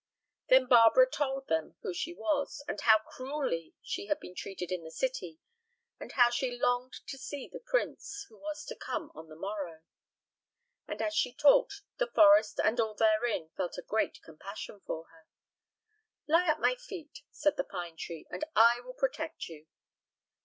Then Barbara told them who she was, and how cruelly she had been treated in the city, and how she longed to see the prince, who was to come on the morrow. And as she talked, the forest and all therein felt a great compassion for her. "Lie at my feet," said the pine tree, "and I will protect you."